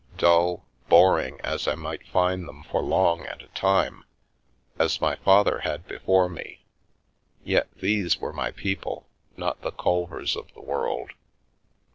Dull, boring, as I might find them for long at a time — as my father had before me — yet these were my people, not the Culvers of this world.